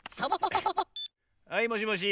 はいもしもし。